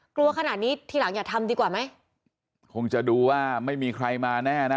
กลัวขนาดนี้ทีหลังอย่าทำดีกว่าไหมคงจะดูว่าไม่มีใครมาแน่นะ